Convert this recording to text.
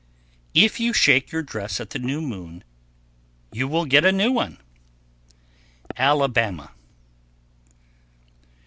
_ 1093. If you shake your dress at the new moon, you will get a new one. _Alabama.